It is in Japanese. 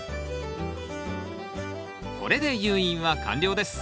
これで誘引は完了です